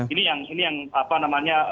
ini yang ini yang apa namanya